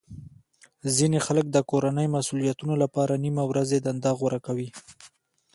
ځینې خلک د کورنۍ مسولیتونو لپاره نیمه ورځې دنده غوره کوي